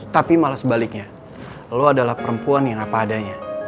tapi malah sebaliknya lo adalah perempuan yang apa adanya